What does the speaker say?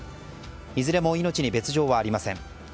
いずれも命に別条はありません。